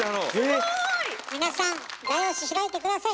すごい！皆さん画用紙開いて下さい。